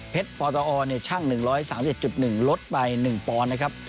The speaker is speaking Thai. เพชรพอตออร์เนี่ยช่างหนึ่งร้อยสามสิบเอ็ดจุดหนึ่งลดไปหนึ่งปอนนะครับ